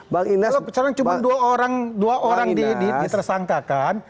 kalau sekarang cuma dua orang ditersangkakan